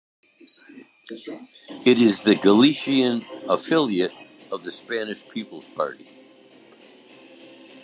It is the Galician affiliate of the Spanish People's Party.